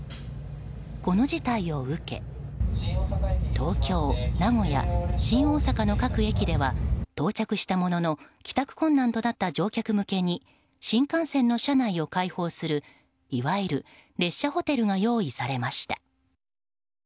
この事態を受け東京、名古屋、新大阪の各駅では到着したものの帰宅困難となった乗客向けに新幹線の車内を開放するいわゆる列車ホテルが用意されました。